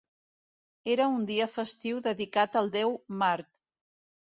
Era un dia festiu dedicat al déu Mart.